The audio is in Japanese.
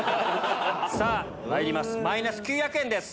さぁまいります